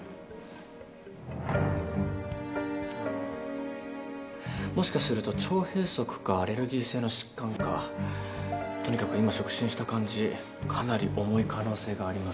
あぁもしかすると腸閉塞かアレルギー性の疾患かとにかく今触診した感じかなり重い可能性があります。